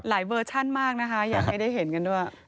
เวอร์ชั่นมากนะคะอยากให้ได้เห็นกันด้วย